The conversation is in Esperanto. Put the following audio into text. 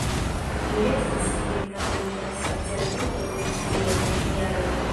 Li restis kiel katolika sacerdoto dum pli ol dek jaroj.